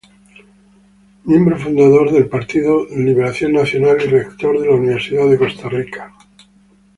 Miembro fundador del Partido Liberación Nacional y rector de la Universidad de Costa Rica.